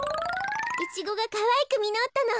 イチゴがかわいくみのったの。